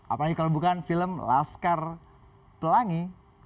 apalagi kalau bukan film laskar pelangi